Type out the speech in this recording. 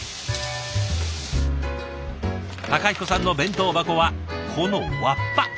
孝彦さんの弁当箱はこのわっぱ。